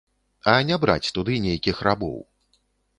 А не браць туды нейкіх рабоў.